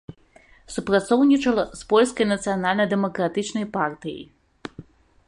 Супрацоўнічала з польскай нацыянальна-дэмакратычнай партыяй.